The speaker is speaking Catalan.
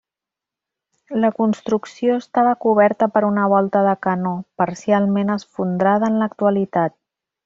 La construcció estava coberta per una volta de canó, parcialment esfondrada en l'actualitat.